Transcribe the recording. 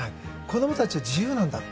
子供たちは自由なんだ。